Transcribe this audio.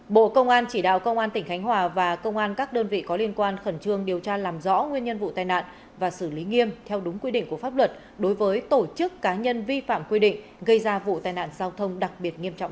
bộ công an chỉ đạo công an tỉnh khánh hòa và công an các đơn vị có liên quan khẩn trương điều tra làm rõ nguyên nhân vụ tai nạn và xử lý nghiêm theo đúng quy định của pháp luật đối với tổ chức cá nhân vi phạm quy định gây ra vụ tai nạn giao thông đặc biệt nghiêm trọng